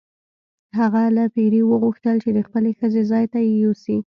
هغه له پیري وغوښتل چې د خپلې ښځې ځای ته یې یوسي.